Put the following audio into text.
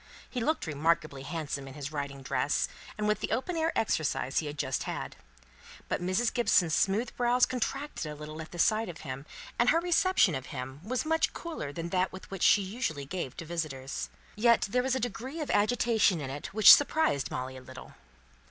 He looked remarkably handsome in his riding dress, and with the open air exercise he had just had. But Mrs. Gibson's smooth brows contracted a little at the sight of him, and her reception of him was much cooler than that which she usually gave to visitors. Yet there was a degree of agitation in it, which surprised Molly a little.